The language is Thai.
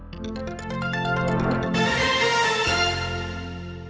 โปรดติดตามตอนต่อไป